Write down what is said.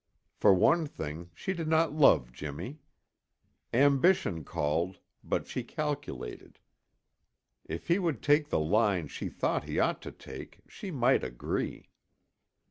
For one thing, she did not love Jimmy. Ambition called, but she calculated. If he would take the line she thought he ought to take, she might agree.